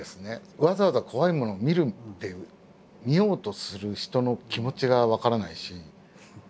わざわざ怖いものを見るっていう見ようとする人の気持ちが分からないし。